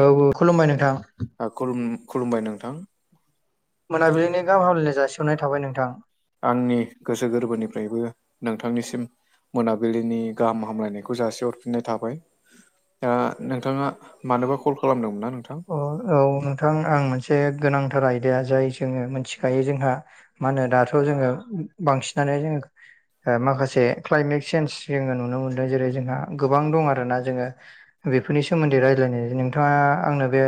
औ औ खुलुमबाय नोंथां खुम- खुलुमबाय नोंथां मोनाबिलिनि गाहाम हामलानाय जासिहरनाय थाबाय नोंथां आंनि गोसो गोरबोनिफ्रायबो नोंथांनिसिम मोनाबिलिनि गाहाम हामलायनायखौ जासि हरफिननाय थाबाय दा नोंथाङा मानोबा कल खालामदोंमोन ना नोंथां अ औ नोंथां आं मोनसे गोनांथार आयदाया जाय जोङो मिथिखायो जोंहा मा होनो दाथ' जोङो बांसिनानो जोङो माखासे क्लाइमेट सेेन्ज जोङो नुनो मोनदों जेरै जोंहा गोबां दं आरोना जोङो बेफोरनि सोमोन्दै राय नाय नोंथाङा आंनो बे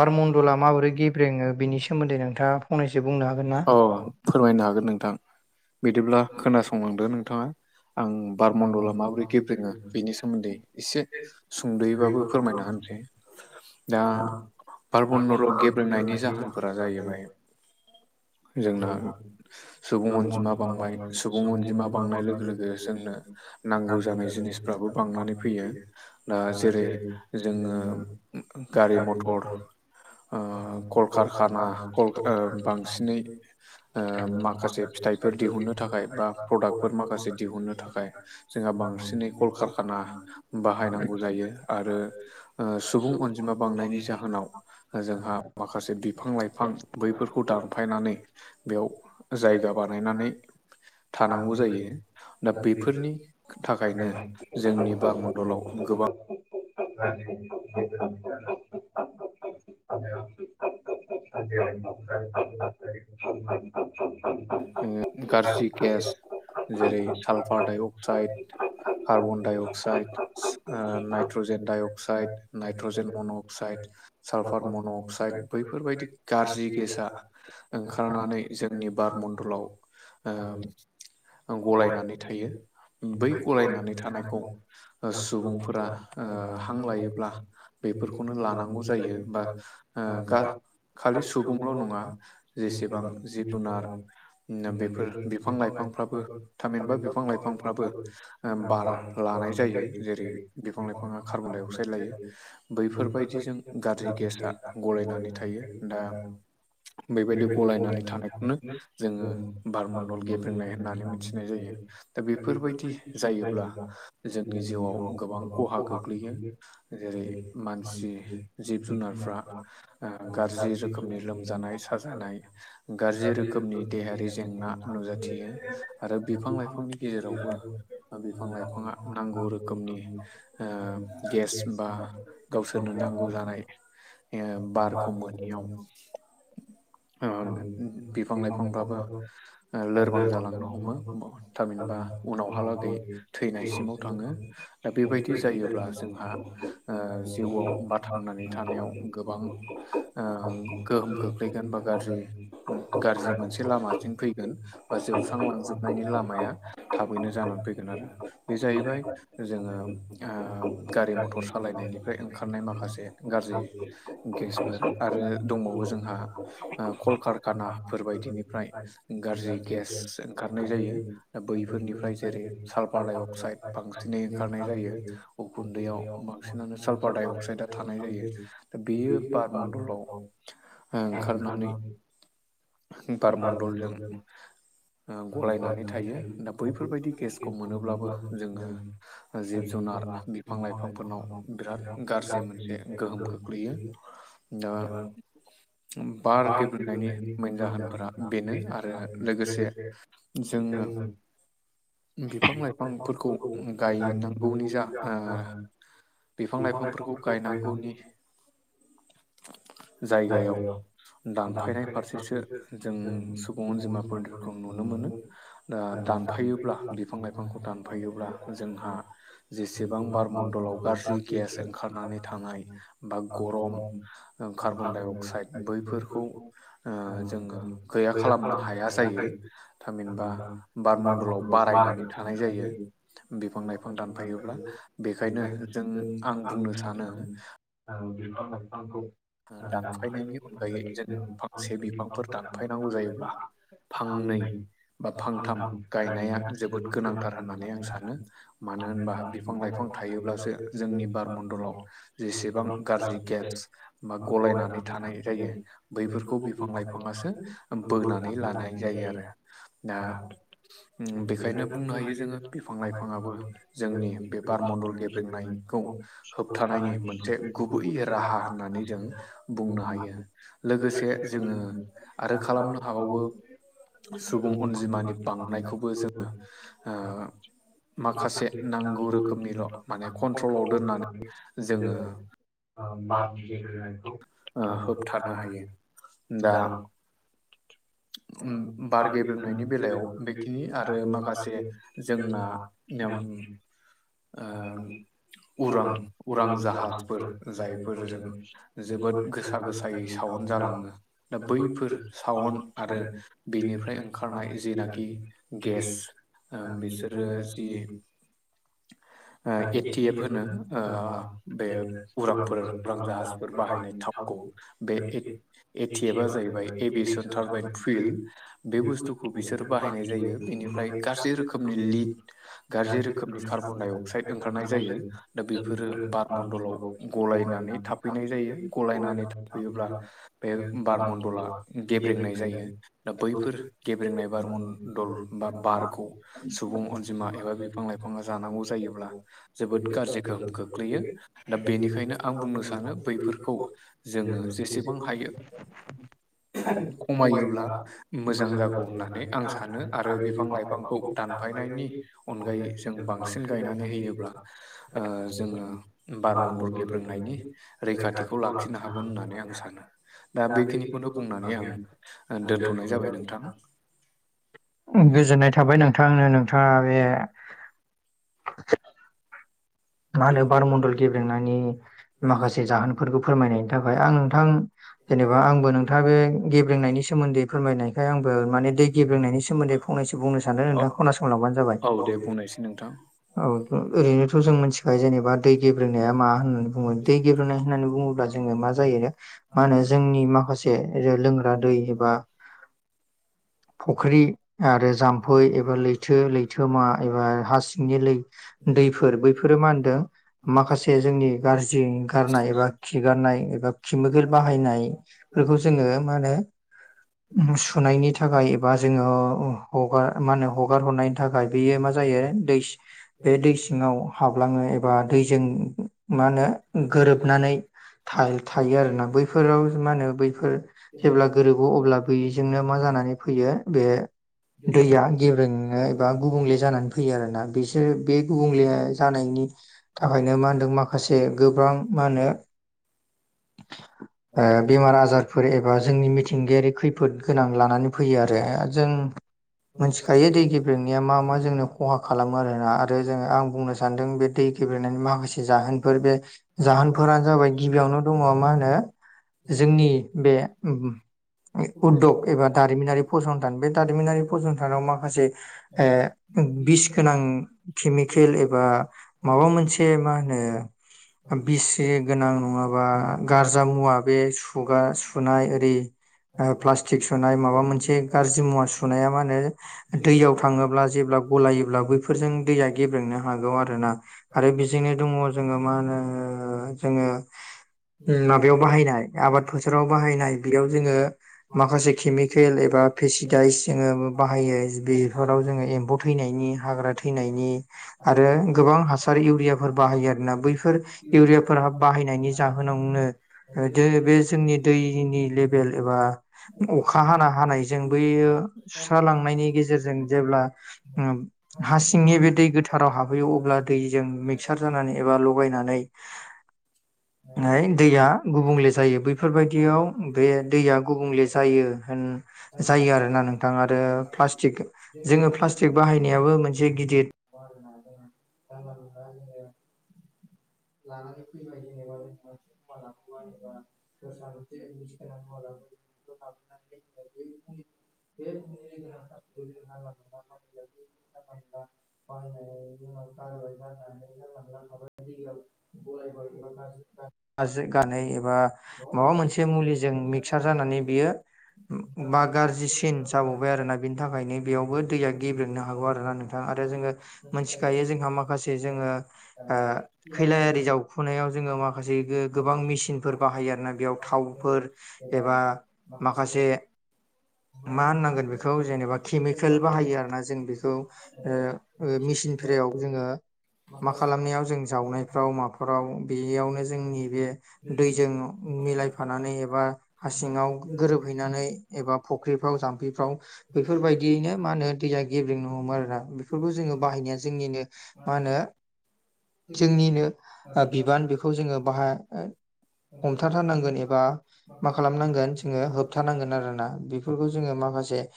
बारमन्दला माबोरै गे ब्रेङो बिनि सोमोन्दै नोंथाङा फनैसो बुंनो हागोन ना? अ फोरमायनो हागोन नोंथां बिदिब्ला खोनासंलांदो नोंथाङा आं बारमडला माबोरै गेब्रेङो बेनि सोमोन्दै एसे सुंद'यबाबो फोरमायना होनसै दा बारमन्दल' गेब्रेंनायनि जाहोनफोरा जाहैबाय जोंना जोंहा सुबुं अनजिमा बांबाय सुबुं अनजिमा बांनाय लोगो लोगो जोंनो नांगौ जानाय जिनिसफ्राबो बांनानै फैयो दा जेरै जोङो गारि- मथर ओ कलकारखाना कल ओ बांसिनै ओ माखासे फिथाइफोर दिहुननो थाखाय बा प्रडाक्टफोर माखासे दिहुननो थाखाय जोंहा बांसिनै कल कारखाना बाहायनांगौ जायो आरो ओ सुबुं अनजिमा बांनायनि जाहोनाव जोंहा माखासे बिफां -लाइफां बैफोरखौ दानफायनानै औ जायगा बानायनानै थानांगौ जायो दा बेफोरनि थाखायनो जोंनि बार मण्डलाव [unintelligible] [unintelligible] [unintelligible] [inaudible] जोङो गाज्रि गेस जेरै sulphur dioxide carbon dioxide ओ nitrogen dioxide nitrogen monoxide sulphur monoxide बैफोरबायदि गाज्रि गेसाआ ओंखारनानै जोंनि बार मण्डलाव ओ आ गलायनानै थायो बै गलरायनानै थानायखौ ओ सुबुंफोरा ओ हां लायोब्ला बेफोरखौनो लानांगौ जायो बा ओ गा खालि सुबुंल' नङा जेसेबां जिब जुनार नो बेफोर बिफां लाइफांफ्रा बो थामहिनबा बिफां लाइफांफ्राबो ओ बार लानाय जायो जेरै बिफां लाइफाङा कार्बन डाइ अक्साइड लायो बैफोरबायदिजों गाज्रि गेसआ गलायनानै थायो दा बेबायदि गलायनानै थानायखौनो जोङो बारमण्डल गेब्रेनाय होनना नानै मिथिनाय जायो दा बेफोरबायदि जायोब्ला जोंनि जिउआव गोबां खहा गो [inaudible] जेरै मानसि जिब जुनारफ्रा ओ गराजि रोखोमनि लोमजानाय साजा जानाय गारजि रोखोमनि देहायारि जेंना नुजाथियो आरो बिफां लाइफांनि गेजेरावबो ओ बिफां लाइफाङा नांगौ रोखोमनि ओ गेस बा गावसोरनो नांगौ जानाय ओ बारखौ मोनोनियाव ओ बिफां लाइफांबाबो ओ लोरबां जालांनो हमो थामिनबा उनावहालागै थैनायसिमाव थाङो दा बेबायदि जायोब्ला जोंहा ओ जिउआव बा थांनानै थानायाव गोबां ओ गोहोम खोख्लैगोन बा गारजि गारजि मोनसे लामाथिं फैगोन बा जोबस्रांलांजोबनायनि लामाया थाबैनो जानानै फैगोन आरो। बे जाहैबाय जोङो ओ गारि मथर सालायनायनिफ्राय ओं खारनाय माखासे गारजि गेसफोर आरो दंबावो जोंहा ओ कलकारखाना फोरबायदिनिफ्राय गारजि गेस ओंखारनाय जायो दा बैफोरनिफ्राय जेरै सालपार डाइ अक्साइड बांसिनै ओंखारनाय जायो उखुन्दैयाव बांसिनानो साल्फार डाइ अक्साइद आ थानाय जायो। दा बेयो बार मडलाव ओ ओंखारनानै बारमन्दलजों ओ गलायनानै थायो दा बैफोरबायदि गेसखौ मोनोब्लाबो जोङो ओ जिब जुनार बिफां लाइफांफोरनाव बिराद गारजि मोनसे गोहोम खोख्लैयो दा बार गेब्रेनायनि मोन जाहोनफोरा बेनो आरो लोगोसे जोङो बिफां लाइफांफोरखौ गायनांगौनि जा ओ बिफां लाइफांफोरखौ गायनांगौनि जायगायाव दानफायनाय बेसोर जों सुबुं अनजिमाफोरफोरखौ नुनो मोनो दा दानफायोब्ला बिफां -लाइफांखौ दानफायोब्ला जोंहा जेसेबां बार मण्डलाव गाज्रि गेस ओंखारनानै थानाय बा गरम कार्बन- डाइ -अक्साइड बैफोरखौ ओ जोङो गैया खालामनो हाया जायो। थामहिनबा बार मण्डलाव बारायनानै थानाय जायो। बिफां- लाइफां दानफायोब्ला। बेखायनो जों आं बुंनो सानो औ बिफां-लाइफांखौ दानफायनायनि अनगायै जोङो फांसे बिफांफोर दानफायनांगौ जायोब्ला फांनै बा फांथाम गायनाया जोबोद गोनांथार होननानै आं सानो। मानो होनबा बिफां -लाइफां थायोब्लासो जोंनि बारमण्डलाव जेसेबां गाज्रि गेस बा गलायनानै थानाय जायो बैफोरखौ बिफां- लाइफाङासो बोनानै लानाय जायो आरो। [unintelligible] ओम बेखायनो बुंनो हायो जोङो बिफां- लाइफाङाबो जोंनि बे बारमण्डल गेब्रेंनाय [unintelligible] होबथानायनि मोनसे गुबै राहा होननानै जों बुंनो हायो लोगोसे जोङो आरो खालामनो हाबावो सुबुं अनजिमानि बांनायखौबो जों ओ [unintelligible] माखासे नांगौ रोखोमनिल' माने कन्ट्रलाव दोननानै जोङो ओ [unintelligible] होबथानो हायो दा [unintelligible] बार गेब्रेनायनि बेलायाव बेखिनि आरो माखासे जोंना ओम [unintelligible] ओ उरां उरां जाहाजफोर जायफोर जों जोबोद गोसा गोसायै सावन जालाङो। दा बैफोर सावन आरो बिनिफ्राय ओंखारनाय जेनाखि गेस बिसोरो जि एटि एफ होनो ओ बे उरांफोर उरां जाहाज बाहायनाय थाबखौ [unintelligible] एटि एफा जाहैबाय एभिएसनन थारबाइन ट्रइल बे बुस्थुखौ बिसोर बाहायनाय जायो। बेनिफ्राय गाज्रि रोखोमनि लि गाज्रि रोखोमनि [unintelligible] [unintelligible] ओंखारनाय जायो। दा बेफोरो बार मण्डलाव गलायनानै थाफैनाय जायो गलायनानै थाफैयोब्ला बे बार मण्डला गेब्रेंनाय जायो। दा बैफोर गेब्रेंनाय बार मण्डल बा बारखौ सुबुं अनजिमा एबा बिफां -लाइफां जानांगौ जायोब्ला जोबोद गाज्रि गोहोम खोख्लैयो। दा बेनिखायनो आं बुंनो सानो [unintelligible] जों जेसेबां हायो खमायोब्ला मोजां जागौ होननानै आं सानो आरो बिफां -लाइफांखौ दानफायनायनि अनगायै जों बांसिन गायनानै होयोब्ला ओ जोङो बार मण्डल गेब्रोंनायनि रैखाथिखौ लाखिनो हागोन होननानै आं सानो। दा बेखिनिखौनो बुंनानै आं दोनथ'नाय जाबाय नोंथां। गोजोननाय थाबाय नोंथां। नोंथाङा बे [unintelligible] मा होनो बारमण्डल गेब्रेंनायनि माखासे जाहोनफोरखौ फोरमायनायनि थाखाय आं नोंथां जेनेबा आंबो [unintelligible] नोंथाङा बे गेब्रेंनायनि सोमोन्दै फोरमायनायखाय आं माने दै गेब्रेंनायनि सोमोन्दै फंनैसो बुंनो सानदों नोंथाङा खोनासंलांबानो जाबाय। औ दे बुंनायसै नोंथां औ ओरैनोथ' जों मिथिखागौ ओमफ्राय जेनेबा दै गेब्रेंनाया मा होननानै बुङो दै गेब्रेंननाय होननानै बुङोब्ला जोङो मा जायो मा होनो जोंनि माखासे लोंग्रा दै एबा फुख्रि आरो जाम्फै एबा लैथो- लैथोमा एबा हा सिंनि [unintelligible] दैफोर बैफोर [unintelligible] मा होनदों माखासे जोंनि गाज्रि गारनाय एबा खिगारनाय एबा किमेकोल बाहायनायफोरखौ जोङो ओ मा होनो सुनायनि थाखाय एबा जोङो अ ओ हगार मा होनो हगार हरनायनि थाखाय बेयो मा जायो दै बे दै सिङाव हाबलाङो एबा दैजों मा होनो गोरोबनानै थायो थायो आरोोमना बैफोराव मा होनो बैफोर जेब्ला गोरो बो अब्ला बैजोंनो मा जानानै फैयो बे दैया गेब्रें ङो एबा गुबुंले जानानै फैयो आरोना बिसोर बे गुबुंले जानायनि थाखायनो मा होनदों माखासे गोबां मा होनो ओ बेमार आजारफोर एबा जोंनि मिथिंगायारि खैफोद गोनां लानानै फैयो आरो जों मोनथिखायो दै गेब्रेंनाया मा मा जोंनो खहा खालामो आरोना आरो जोङो आं बुंनो सानदों बे दै गेब्रेनायनि माखासे जाहोनफोर बे जाहोनफोरा जाबाय गिबियावनो दङ मा होनो जोंनि बे उध्ग एबा दारिमिनारि फसं थान बे दारिमिनारि फसंथानाव माखासे बे बिस गोनां केमिकेल ए बा माबा मोनसे मा होनो बिसि गोनां नङाबा गारजा मुवा बे सुगा सुनाय ओरै ओ प्लास्टिक सुनाय माबा मोनसे गारजि मुवा सुनाया मा होनो दैयाव थाङोब्ला जेब्ला गलायोब्ला बैफोरजों दैया गेब्रेङो हागौ आरोना आरो बेजोंनो दङ जोङो मा होनो ओ जोङो ओ माबायाव बाहायनाय आबाद फोथाराव बाहायनाय बेयाव जोङो माखासे केमिकेल एबा पेस्सिदाइस जोङो बाहायो बेफोराव जोङो एम्फौ थैनायनि हाग्रा थैनायनि आरो गोबां हासार इउरियाफोर बाहायो आरोना बैफोर इउरियाफोरहा बाहायनायनि जाहोनावनो ओ बे जोंनि दैनि लेबेल एबा अखा हाना हानायजों बैयो सुस्रालांनायनि गेजेरजों जेब्ला ओ हा सिंनि बे दै गोथाराव हाबहैयो अब्ला दैजों मिक्सार जानानै एबा लगायनानै हाय दैया गुबुंले जायो बैफोरबायदियाव बे दैया गुबुंले जायो होन जायो आरोना नोंथां आरो प्लास्टिक जोङो प्लास्टिक बाहायनायाबो मोनसे गिदिद [unintelligible] लानानै फैबाय जेनेबा जोङो लाफाबाय एबा [unintelligible] [unintelligible] [unintelligible] [unintelligible] [unintelligible] गाज्रि गारनाय एबा माबा मोनसे मुलिजों मिक्सार जानानै बियो बा गाज्रिसिन जाबावबाय आरोना बिनि थाखायनो बेयावबो दैया गेब्रेेंनो हागौ आरोना नों आरो जोङो मोनथिखायो जोंहा माखासे जोङो ओ खैलायारि जाव खुनायाव जोङो माखासे गोबां मेचिनफोर बाहायो आरोना बेयाव थावफोर एबा माखासे मा होननांगोन बेखौ जेनेबा केमिकेल बाहायो आरोना जों बेखौ मेसिनफ्रियाव जोङो मा खालामनायाव जों जावनायफ्राव माफ्राव बेयावनो जोंनि बे दैजों मिलायफानानै एबा हा सिङाव गोरोबहैनानै एबा फख्रिफ्राव जाम्फैफ्राव बेफोरबायदियैनो मा होनो दैया गेब्रेंनो हमो आरोना बेफोरखौ जोङो बाहायनाया जोंनिनो मा होनो जोंनिनो ओ बिबान बेखौ जोङो बाहाय हमथाथारनांगोन एबा मा खालामनांगोन जोङो होबथानांगोन आरोना बेफोरखौ जोङो माखासे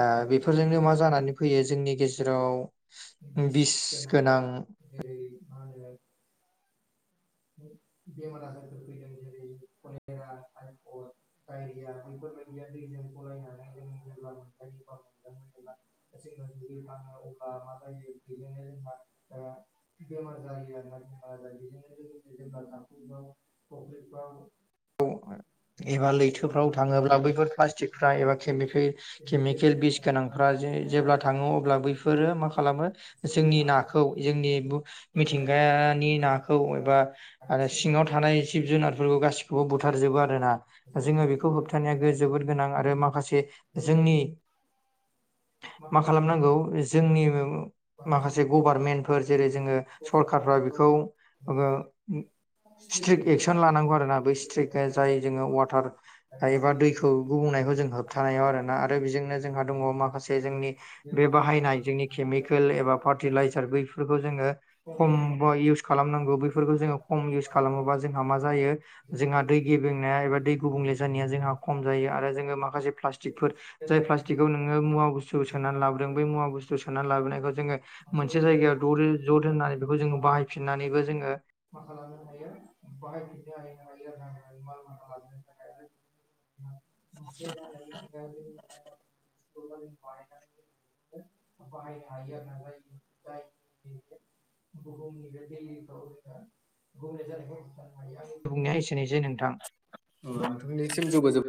ओ बेफोरजोंनो मा जानानै फैयो जोंनि गेजेराव बिस गोनां जेरै मा होनो बेमार आजारफोर फैदों जेरै कलेरा, ताइफद डायरिया बेफोरबायदिया दैजों गलायनानै [inaudible] [inaudible] [inaudible] [inaudible] एबा लैथोफ्राव थाङोब्ला बैफोर प्लास्टिकफ्रा एबा केमिकेल केमिकेल बिस गोनांफ्रा जे जेब्ला थाङो अब्ला बैफोरो मा खालामो जोंनि नाखौ जोंनि बो मिथिंगानि नाखौ एबा आरो सिङाव थानाय जिब जुनारफोरखौ गासिखौबो बुथारजोबो आ रोना जोङो बेखौ होबथानाया जोबोद गोनां आरो माखासे जोंनि मा खालामनांगौ जोंनि [unintelligible] माखासे गभारमेन्टफोर जेरै जोङो सरखारफ्रा बेखौ स्ट्रिक एक्सन लानांगौ आरो ना बै स्ट्रिकआ जाय जोङो वाटार हायोबा दैखौ गुबुंनायखौ जों होबथानायाव आरो ना आरो बेजोंनो जोंहा दङ माखासे जोंनि बे बाहायनाय जोंनि केमिकेल एबा फार्टिलाइजार बैफोरखौ जोङो खम बा इउस खालामनांगौ बैफोरखौ जोङो खम इउस खालामोबा जोंहा मा जायो जोंहा दै [unintelligible] एबा दै गुबुंले जानाया जोंहा खम जायो आरो जोङो माखासे प्लास टिकफोर जाय प्लास्टिकखौ नोङो मुवा बुस्थु सोनानै लाबोदों बे मुवा बुस्थु सोनानै लाबोनायखौ जोङो मोनसे जायगायाव [unintelligible] ज दोननानै बेखौ जोङो बाहायफिननानैबो जोङो मा खालामनो हायो बाहायफिननो [inaudible] [inaudible] बाहायनो हायो आरोना [inaudible] [inaudible] औ बुंनाया एसेनोसै नोंथां नोंथांनिसिम जोबोद जोबो